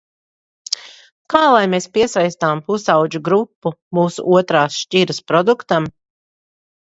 Kā lai mēs piesaistām pusaudžu grupu mūsu otrās šķiras produktam?